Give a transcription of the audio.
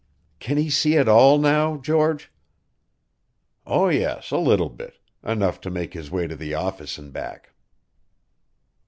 "Can he see at all now, George?" "Oh, yes, a little bit enough to make his way to the office and back."